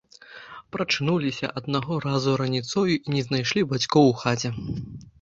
Прачнуліся аднаго разу раніцою і не знайшлі бацькоў у хаце.